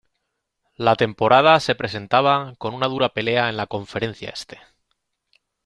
La temporada se presentaba con una dura pelea en la Conferencia Este.